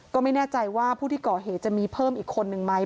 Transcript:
ก็ไม่แน่ใจว่าผู้ที่ก่อเหตุจะมีเพิ่มอีกคนนึงไหม